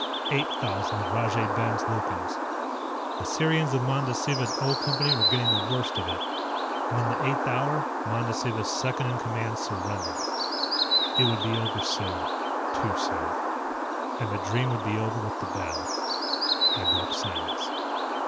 Eight thousand of Rajay Ben's Lukans. The Sirians of Mandasiva's O Company were getting the worst of it, and in the eighth hour Mandasiva's second in command surrendered. It would be over soon, too soon. And the dream would be over with the battle. I broke silence.